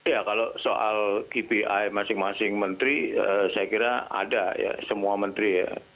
ya kalau soal kpi masing masing menteri saya kira ada ya semua menteri ya